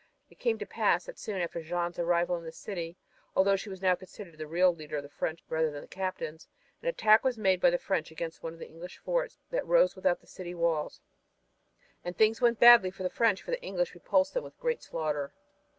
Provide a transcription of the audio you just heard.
It came to pass that soon after Jeanne's arrival in the city, although she was now considered the real leader of the French rather than the captains, an attack was made by the French against one of the English forts that rose without the city walls. And things went badly for the French, for the English repulsed them with great slaughter.